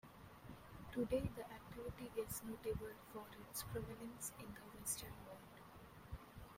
Today, the activity is notable for its prominence in the western world.